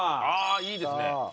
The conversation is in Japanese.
ああいいですね。